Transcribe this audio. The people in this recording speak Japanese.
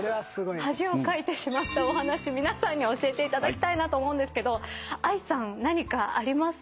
恥をかいてしまったお話皆さんに教えていただきたいなと思うんですけどＡＩさん何かあります？